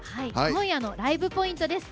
今夜のライブポイントです。